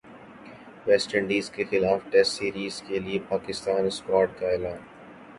waste انڈیزکےخلاف Test series کے لیےپاکستانی اسکواڈ کا اعلان